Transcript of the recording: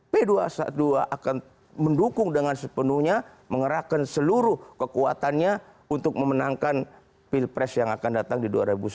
p dua ratus dua belas akan mendukung dengan sepenuhnya mengerahkan seluruh kekuatannya untuk memenangkan pilpres yang akan datang di dua ribu sembilan belas